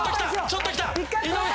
ちょっときた。